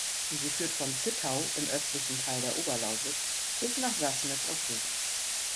Sie führt von Zittau im östlichen Teil der Oberlausitz bis nach Sassnitz auf Rügen.